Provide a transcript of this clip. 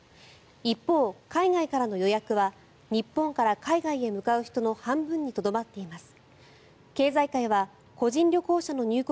一方、海外からの予約は日本から海外へ向かう人の半分にとどまっています。